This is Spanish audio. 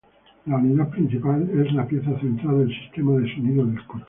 La unidad principal es la pieza central del sistema de sonido del coche.